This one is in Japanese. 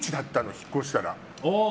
引っ越したら。